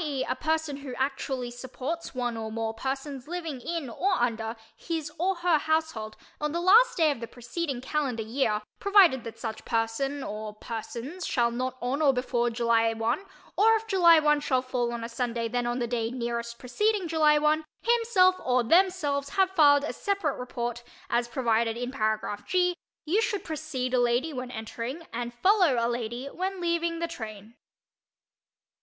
e., a person who actually supports one or more persons living in (or under) his (or her) household on the last day of the preceding calendar year, provided that such person or persons shall not on or before July 1 or if July 1 shall fall on a Sunday then on the day nearest preceding July 1, himself (or themselves) have filed a separate report as provided in paragraph (g), you should precede a lady when entering, and follow a lady when leaving, the train.